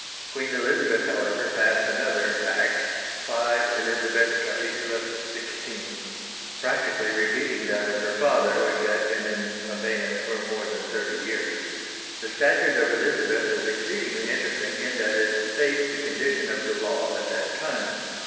Queen Elizabeth, however, passed another Act (5 Elizabeth Cap. 16) practically repeating that of her father, which had been in abeyance for more than thirty years. The Statute of Elizabeth is exceedingly interesting in that it states the condition of the law at that time.